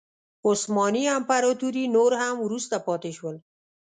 عثماني امپراتوري نور هم وروسته پاتې شول.